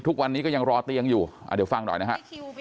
ทุกวันนี้ก็ยังรอเตียงอยู่เดี๋ยวฟังหน่อยนะฮะ